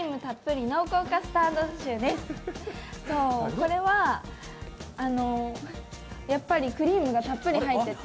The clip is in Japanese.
これはやっぱりクリームがたっぷり入ってて